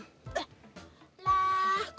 lah kok gak